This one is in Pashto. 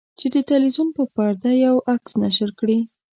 چې د تلویزیون په پرده یو عکس نشر کړي.